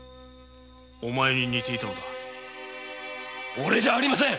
おれじゃありません！